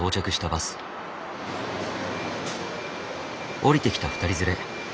降りてきた２人連れ。